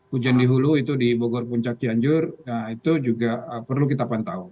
hujan di hulu itu di bogor puncak cianjur itu juga perlu kita pantau